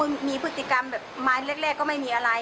มีพฤติกรรมแบบไม้แรกก็ไม่มีอะไร